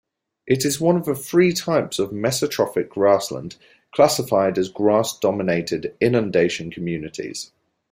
It is one of three types of mesotrophic grassland classified as grass-dominated inundation communities.